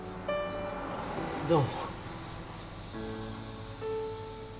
どうも。